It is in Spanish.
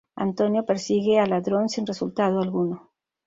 Antonio persigue al ladrón sin resultado alguno.